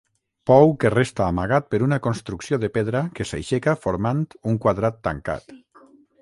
Pou que resta amagat per una construcció de pedra que s'aixeca formant un quadrat tancat.